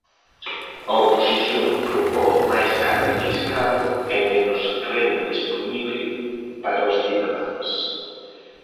A oposición propón máis carga fiscal e menos renda dispoñible para os cidadáns.